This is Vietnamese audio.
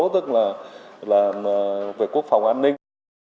tức là về quốc phòng an ninh